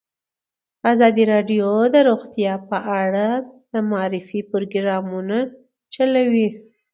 ازادي راډیو د روغتیا په اړه د معارفې پروګرامونه چلولي.